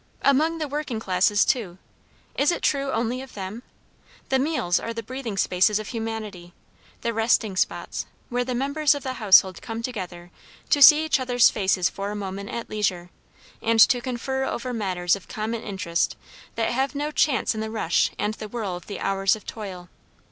Among the working classes, too, it is true only of them? the meals are the breathing spaces of humanity, the resting spots, where the members of the household come together to see each other's faces for a moment at leisure, and to confer over matters of common interest that have no chance in the rush and the whirl of the hours of toil.